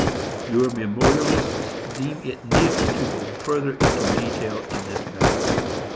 "Your memorialists deem it needless to go further into detail in this matter.